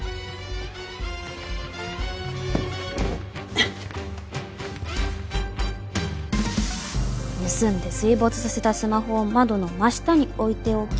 んっ盗んで水没させたスマホを窓の真下に置いておき。